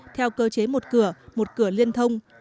theo cơ chế một cửa một cửa liên thông